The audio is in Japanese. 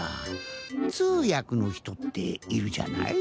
つうやくのひとっているじゃない？